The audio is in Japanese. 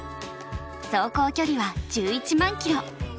走行距離は１１万キロ。